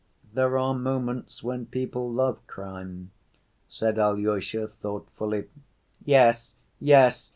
"There are moments when people love crime," said Alyosha thoughtfully. "Yes, yes!